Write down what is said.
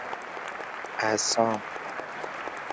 عصام